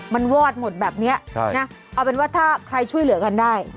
มันวอดหมดแบบนี้นะเอาเป็นว่าถ้าใครช่วยเหลือกันได้